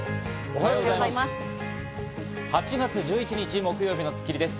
おはようございます。